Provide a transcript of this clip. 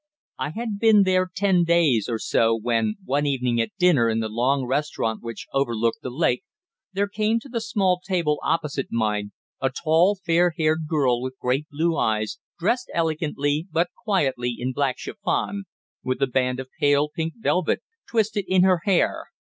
I had been there ten days or so when, one evening at dinner in the long restaurant which overlooked the lake, there came to the small table opposite mine a tall, fair haired girl with great blue eyes, dressed elegantly but quietly in black chiffon, with a band of pale pink velvet twisted in her hair.